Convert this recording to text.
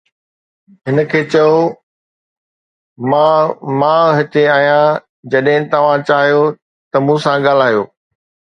هن کي چئو، "ماء، مان هتي آهيان، جڏهن توهان چاهيو ته مون سان ڳالهايو."